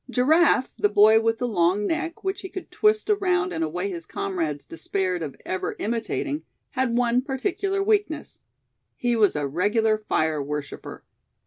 Giraffe, the boy with the long neck, which he could twist around in a way his comrades despaired of ever imitating, had one particular weakness. He was a regular fire worshipper.